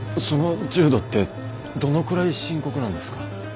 その重度ってどのくらい深刻なんですか？